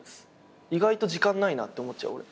意外と時間ないなって思っちゃう俺。